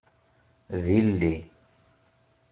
D illi.